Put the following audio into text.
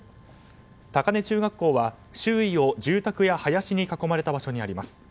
タカネ中学校は周囲を林や住宅に囲まれた場所にあります。